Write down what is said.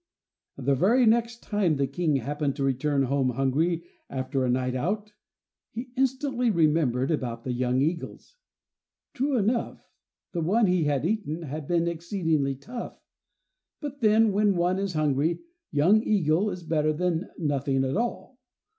The very next time the King happened to return home hungry after a night out, he instantly remembered about the young eagles. True enough, the one he had eaten had been exceedingly tough; but then, when one is hungry, young eagle is better than nothing at all.